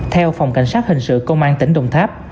theo phòng cảnh sát hình sự công an tỉnh đồng tháp